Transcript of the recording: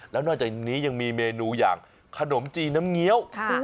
ก็นอกจากนี้ยังมีเมนูขนมจีนน้ำเงี้ยว